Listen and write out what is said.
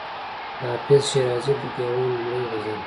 د حافظ شیرازي د دېوان لومړی غزل.